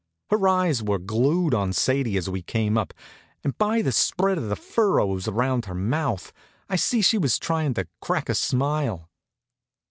Her eyes were glued on Sadie as we came up, and by the spread of the furrows around her mouth I see she was tryin' to crack a smile.